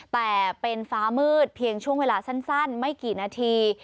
แต่เป็นฟ้ามืดเพียงช่วงเวลาสั้นไม่กี่นาที